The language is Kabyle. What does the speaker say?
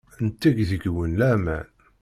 Netteg deg-wen laman.